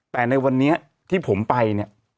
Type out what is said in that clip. แต่ในวันนี้ที่ผมไปเนี่ย